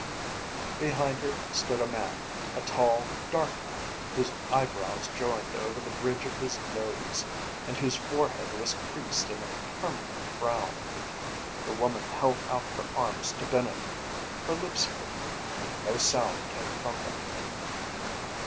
Behind her stood a man; a tall, dark man whose eyebrows joined over the bridge of his nose, and whose forehead was creased in a permanent frown. The woman held out her arms to Bennett. Her lips moved, but no sound came from them.